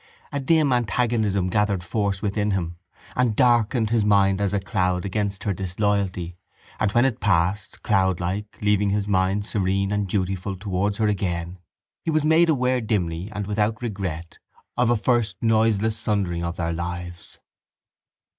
A dim antagonism gathered force within him and darkened his mind as a cloud against her disloyalty and when it passed, cloudlike, leaving his mind serene and dutiful towards her again, he was made aware dimly and without regret of a first noiseless sundering of their lives.